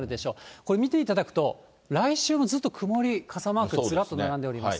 これ、見ていただくと、来週もずっと曇り、傘マークずらっと並んでおります。